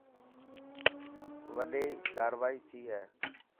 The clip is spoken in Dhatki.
وڏي ڪارورائي ٿي هي.